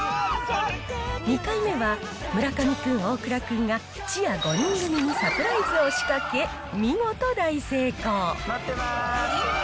２回目は村上君、大倉君が、チア５人組にサプライズを仕掛け、見事大成功。